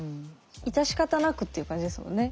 致し方なくっていう感じですもんね